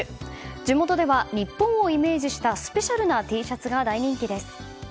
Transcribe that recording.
地元では日本をイメージしたスペシャルなＴシャツが大人気です。